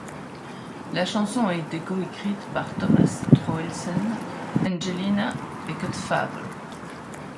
La chanson a été coécrite par Thomas Troelsen, Engelina et Cutfather.